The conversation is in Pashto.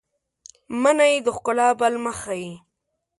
منی د ښکلا بل مخ ښيي